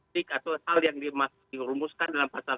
titik atau hal yang dirumuskan dalam pasal satu ratus lima puluh enam